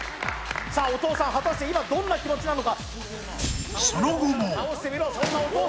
お父さん、果たして今どんな気持ちなのか。